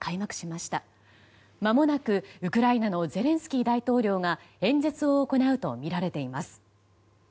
まもなくウクライナのゼレンスキー大統領が演説を行うとみられています。